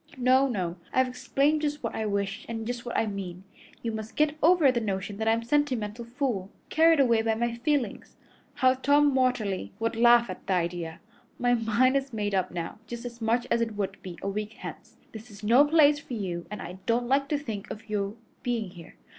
No, no; I've explained just what I wish and just what I mean. You must get over the notion that I'm a sentimental fool, carried away by my feelings. How Tom Watterly would laugh at the idea! My mind is made up now just as much as it would be a week hence. This is no place for you, and I don't like to think of your being here.